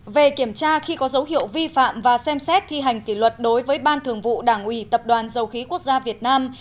một về kiểm tra khi có dấu hiệu vi phạm và xem xét thi hành kỷ luật đối với ban thường vụ đảng ủy tập đoàn dầu khí quốc gia việt nam